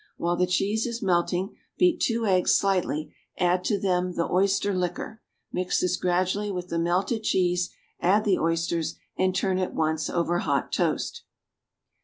While the cheese is melting, beat two eggs slightly, and add to them the oyster liquor; mix this gradually with the melted cheese, add the oysters, and turn at once over hot toast.